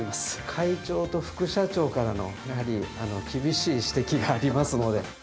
会長と副社長からのやはり厳しい指摘がありますので。